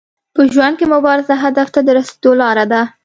په ژوند کي مبارزه هدف ته د رسیدو لار ده.